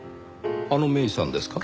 あの芽依さんですか？